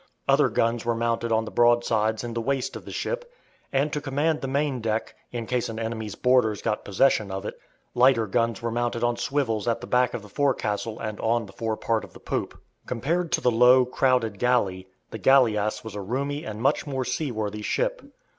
Other guns were mounted on the broadsides in the waist of the ship; and to command the main deck, in case an enemy's boarders got possession of it, lighter guns were mounted on swivels at the back of the forecastle and on the forepart of the poop. Compared to the low, crowded galley, the galleass was a roomy and much more seaworthy ship.